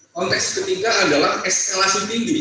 konteks ketiga adalah eskalasi tinggi